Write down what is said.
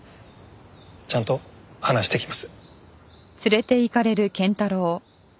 ちゃんと話してきます。